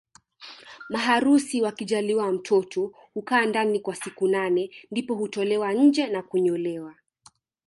Maharusi wakijaliwa mtoto hukaa ndani kwa siku nane ndipo hutolewa nje na kunyolewa